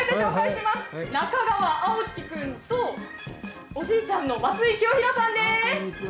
中川蒼貴くんと、おじいちゃんの松井清弘さんです。